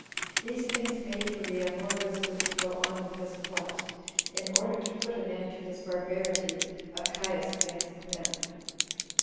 These things made Cherea more resolute to go on with his plot, in order to put an end to this barbarity of Caius against men.